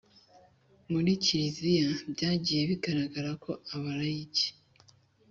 muri kiliziya.byagiye bigaragara ko abalayiki